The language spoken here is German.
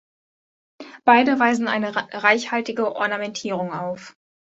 Beide weisen eine reichhaltige Ornamentierung auf.